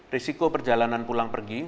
risiko perjalanan pulang pergi